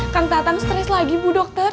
kang datang stress lagi bu dokter